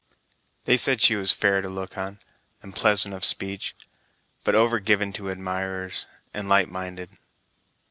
"They said she was fair to look on, and pleasant of speech; but over given to admirers, and light minded."